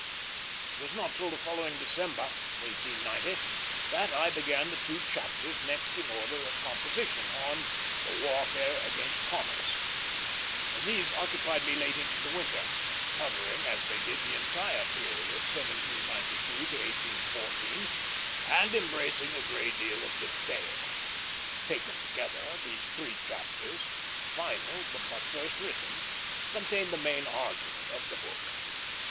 It was not till the following December 1890 that I began the two chapters next in order of composition, on "The Warfare against Commerce." These occupied me late into the winter, covering as they did the entire period 1793 1814, and embracing a great deal of detail. Taken together, these three chapters, final but first written, contain the main argument of the book.